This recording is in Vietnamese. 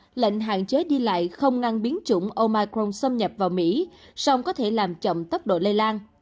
lệnh hạn chế đi lại không ngăn biến chủng omicron xâm nhập vào mỹ song có thể làm chậm tốc độ lây lan